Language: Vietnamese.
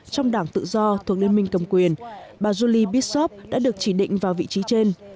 trong đảng tự do thuộc liên minh cầm quyền bà juli bishov đã được chỉ định vào vị trí trên